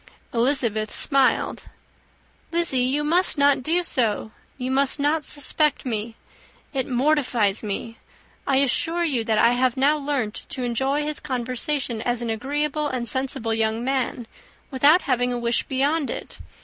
Elizabeth smiled. "Lizzy, you must not do so. You must not suspect me. It mortifies me. I assure you that I have now learnt to enjoy his conversation as an agreeable and sensible young man without having a wish beyond it.